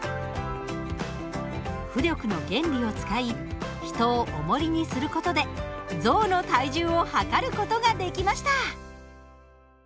浮力の原理を使い人をおもりにする事で象の体重を量る事ができました。